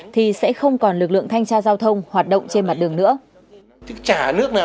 thì sẽ không còn lực lượng thanh tra giao thông hoạt động trên mặt đường nữa